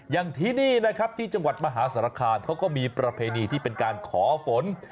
อย่างที่นี่นะครับที่จังหวัดมหาสารคามเขาก็มีประเพณีที่เป็นการขอฝน